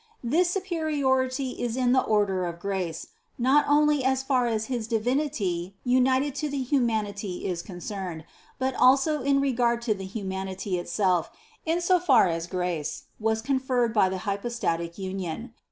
This superiority is in the order of grace, not only as far as His Divinity united to the humanity is concerned, but also in regard to the hu manity itself in so far as grace was conferred by the hy postatic union.